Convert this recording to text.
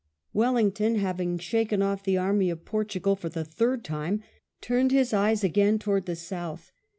Wellington, having shaken off the Army of Portugal for the third time, turned his eyes again towards the south.